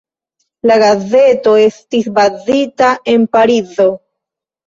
La gazeto estis bazita en Parizo.